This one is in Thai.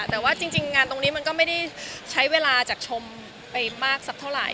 แต่ว่าจริงงานตรงนี้มันก็ไม่ได้ใช้เวลาจากชมไปมากสักเท่าไหร่